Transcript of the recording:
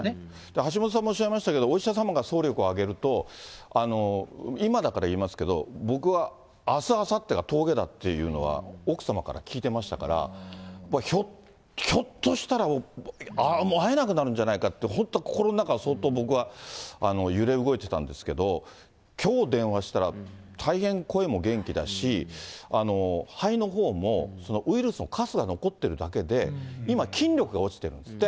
橋下さんもおっしゃいましたけど、お医者様が総力を挙げると、今だから言いますけど、僕はあす、あさってが峠だっていうのは、奥様から聞いてましたから、ひょっとしたらもう会えなくなるんじゃないかって、本当、心の中、相当僕は揺れ動いてたんですけど、きょう電話したら、大変声も元気だし、肺のほうもウイルスのかすが残ってるだけで、今、筋力が落ちてるんですって。